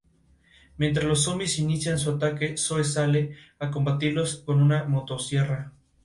Además, la investigación científica del permafrost comenzó muy recientemente principalmente en Rusia y Canadá.